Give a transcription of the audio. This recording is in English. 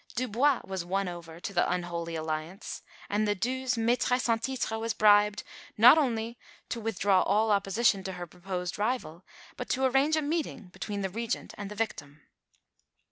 Dubois was won over to the unholy alliance; and the Due's maîtresse en titre was bribed, not only to withdraw all opposition to her proposed rival, but to arrange a meeting between the Regent and the victim.